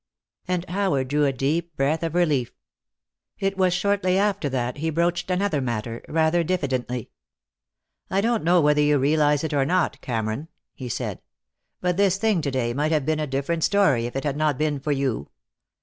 And Howard drew a deep breath of relief. It was shortly after that he broached another matter, rather diffidently. "I don't know whether you realize it or not, Cameron," he said, "but this thing to day might have been a different story if it had not been for you.